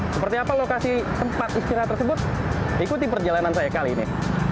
seperti apa lokasi tempat istirahat tersebut ikuti perjalanan saya kali ini